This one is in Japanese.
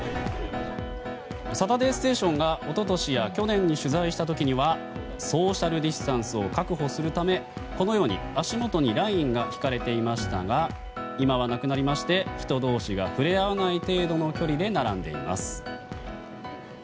「サタデーステーション」が去年１１月に取材した時にはソーシャルディスタンスを確保するためこのように足元にラインが引かれていましたが今はなくなりまして、人同士が触れ合わない程度の距離で並んでいます。